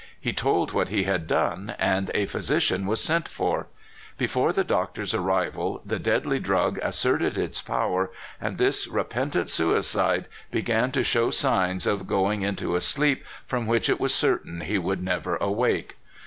He told what he had done, and a physician was sent for. Before the doctor's arrival the deadly drug asserted its power, and this repentant suicide began to show signs of go ing into a sleep from which it was certain he would never awake.